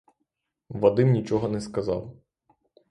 Вадим нічого не сказав.